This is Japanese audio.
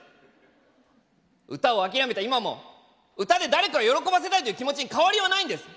歌を諦めた今も歌で誰かを喜ばせたいという気持ちに変わりはないんです！